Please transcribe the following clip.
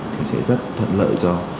thì sẽ rất thận lợi cho